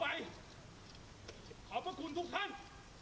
เพราะฉะนั้นเราก็ให้ความเป็นธรรมทุกคนอยู่แล้วนะครับ